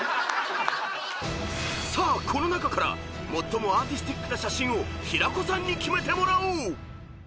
［さあこの中から最もアーティスティックな写真を平子さんに決めてもらおう］